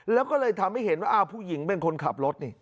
แล้วก็เลยทำให้เห็นว่าผู้หญิงเป็นคนขับรถนี่